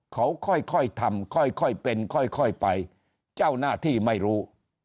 เขาค่อยทำค่อยเป็นค่อยไปเจ้าหน้าที่ไม่รู้